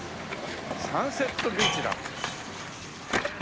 サンセットビーチだ。